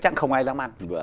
chắc không ai dám ăn